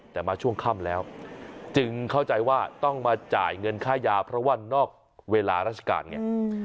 แต่มาช่วงค่ำแล้วจึงเข้าใจว่าต้องมาจ่ายเงินค่ายาเพราะว่านอกเวลาราชการไง